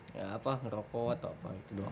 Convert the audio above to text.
ya apa ngerokok atau apa itu doang